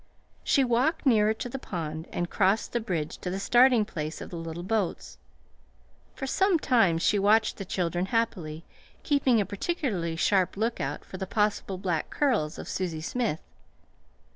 She walked nearer to the pond and crossed the bridge to the starting place of the little boats. For some time she watched the children happily, keeping a particularly sharp lookout for the possible black curls of Susie Smith.